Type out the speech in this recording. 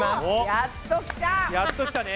やっときたね。